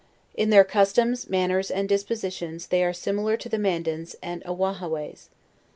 In their customs, manners, and dispositions, they are similar to the Mandans and Ahwahhaways.